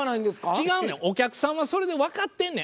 違うねんお客さんはそれでわかってんねん。